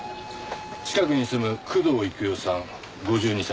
近くに住む工藤幾代さん５２歳。